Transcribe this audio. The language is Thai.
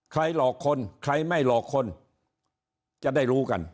หลอกคนใครไม่หลอกคนจะได้รู้กัน